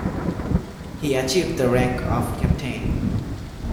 He achieved the rank of captain.